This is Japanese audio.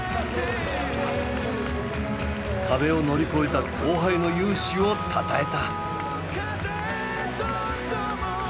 壁を乗り越えた後輩の雄姿をたたえた。